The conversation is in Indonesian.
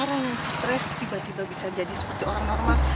orang yang stres tiba tiba bisa jadi seperti orang normal